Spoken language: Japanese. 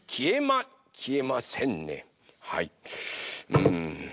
うん。